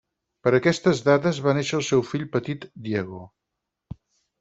Per aquestes dates va néixer el seu fill petit, Diego.